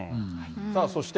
さあそして、